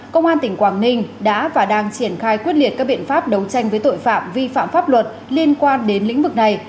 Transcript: công an tỉnh quảng ninh đã và đang triển khai quyết liệt các biện pháp đấu tranh với tội phạm vi phạm pháp luật liên quan đến lĩnh vực này